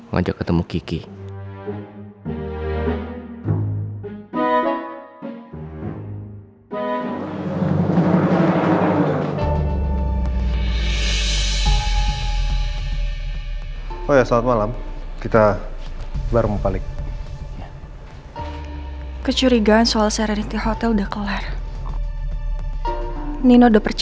ngajak ketemu kiki